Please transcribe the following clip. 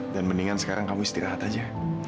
dan mendingan sekarang kamu istirahat aja